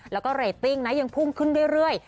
แล้วก็เรตติ้งนะยังพุ่งขึ้นเรื่อย